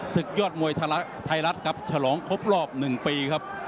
ศึกยอดมวยไทยรัฐครับฉลองครบรอบ๑ปีครับ